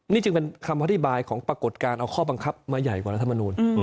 นี่จึงเป็นคำอธิบายของปรากฏการณ์เอาข้อบังคับมาใหญ่กว่ารัฐมนูล